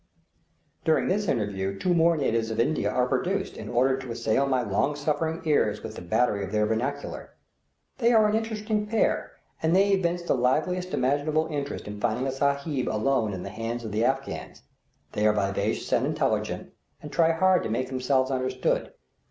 During this interview two more natives of India are produced and ordered to assail my long suffering ears with the battery of their vernacular. They are an interesting pair, and they evince the liveliest imaginable interest in finding a Sahib alone in the hands of the Afghans. They are vivacious and intelligent, and try hard to make themselves understood.